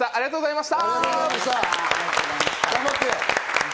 ありがとうございます。